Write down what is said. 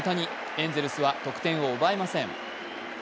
エンゼルスは得点を奪えません。